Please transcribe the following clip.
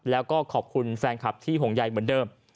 แล้วก็ขอบคุณแฟนคลับที่ห่วงใยเหมือนเดิม